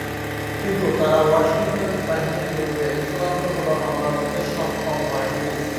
কিন্তু তারা ওয়াশিংটনের বাহিনীর বিরুদ্ধে চূড়ান্ত কোনো হামলা করতে সক্ষম হয়নি।